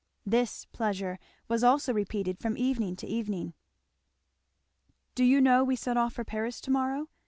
This pleasure was also repeated from evening to evening. "Do you know we set off for Paris to morrow?"